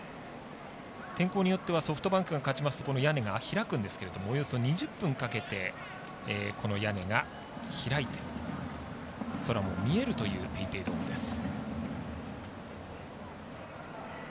天候によってはソフトバンクが勝ちますと屋根が開くんですけどもおよそ２０分かけてこの屋根が開いて空も見えるというＰａｙＰａｙドームです。